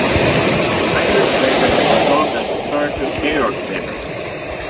Heinrich Weber war Sohn des Historikers Georg Weber.